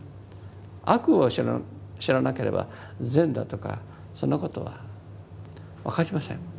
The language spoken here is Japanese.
悪を知らなければ善だとかそんなことは分かりません。